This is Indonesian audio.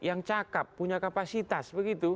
yang cakep punya kapasitas begitu